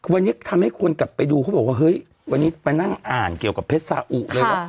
วันนี้ทำให้คนกลับไปดูเขาบอกว่าเฮ้ยวันนี้ไปนั่งอ่านเกี่ยวกับเพชรสาอุเลยวะ